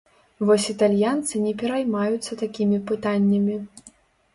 Вось італьянцы не пераймаюцца такімі пытаннямі.